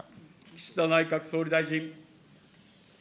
岸田内閣総理大臣。